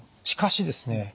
しかしですね